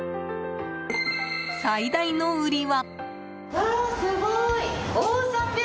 最大の売りは。